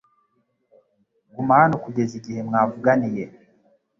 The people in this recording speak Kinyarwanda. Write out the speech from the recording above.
Guma hano kugeza igihe mwavuganiye